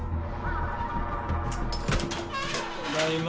ただいま。